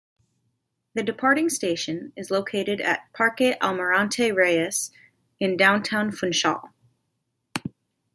The departing station is located at Parque Almirante Reis in downtown Funchal.